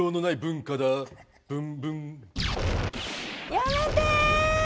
やめて！